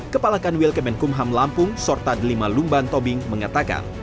kepalakan wilkemen kumham lampung sorta delima lumban tobing mengatakan